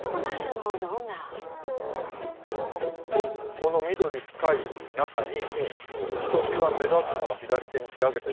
この緑深い中にひときわ目立つのが左手に開けていますが。